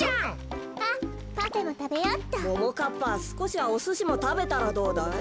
かっぱすこしはおすしもたべたらどうだい？